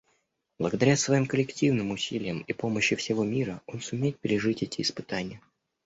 Благодаря своим коллективным усилиям и помощи всего мира он сумеет пережить эти испытания.